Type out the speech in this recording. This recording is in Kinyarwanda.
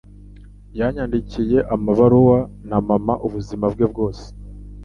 Yanyandikiye amabaruwa na mama ubuzima bwe bwose.